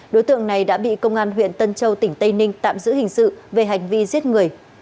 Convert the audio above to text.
đối tượng này đã bị công an huyện tân châu tỉnh tây ninh tạm giữ hình sự về hành vi giết người